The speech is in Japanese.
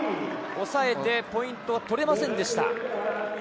抑えて、ポイントは取れませんでした。